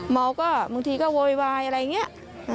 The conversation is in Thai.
เมาก็บางทีเวลาเวลาอะไรเงี้ย